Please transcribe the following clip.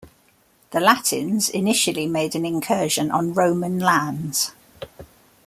The Latins initially made an incursion on Roman lands.